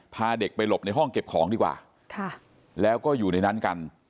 พาเด็กไปหลบในห้องเก็บของดีกว่าแล้วก็อยู่ในนั้นกัน